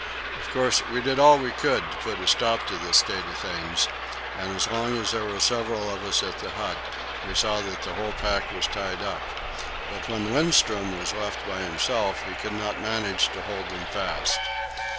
Of course, we did all we could to put a stop to this state of things, and so long as there were several of us at the hut, we saw that the whole pack was tied up; but when Lindström was left by himself, he could not manage to hold them fast.